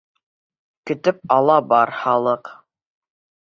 Көтөп ала бар халыҡ!